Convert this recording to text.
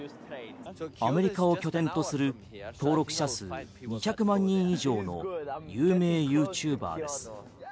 アメリカを拠点とする登録者数２００万人以上の有名ユーチューバーです。